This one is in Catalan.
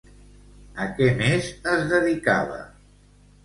A què més es dedicava?